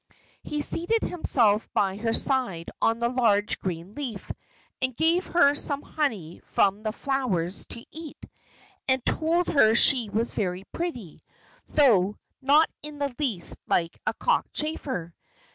He seated himself by her side on a large green leaf, gave her some honey from the flowers to eat, and told her she was very pretty, though not in the least like a cockchafer.